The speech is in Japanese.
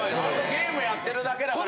ゲームやってるだけだから。